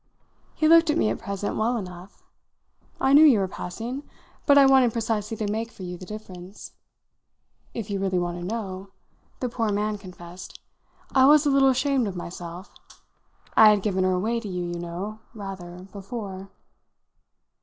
He looked at me at present well enough. "I knew you were passing, but I wanted precisely to mark for you the difference. If you really want to know," the poor man confessed, "I was a little ashamed of myself. I had given her away to you, you know, rather, before."